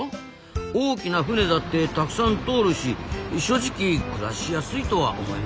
大きな船だってたくさん通るし正直暮らしやすいとは思えませんけどねえ。